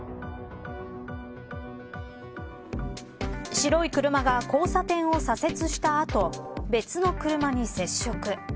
白い車が交差点を左折した後別の車に接触。